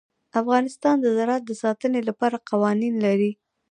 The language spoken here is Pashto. افغانستان د زراعت د ساتنې لپاره قوانین لري.